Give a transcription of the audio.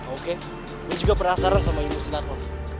oke gue juga penasaran sama ilmu silat lo